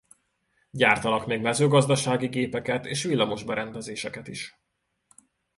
Gyártanak még mezőgazdasági gépeket és villamos berendezéseket is.